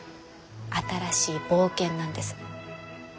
新しい冒険なんです。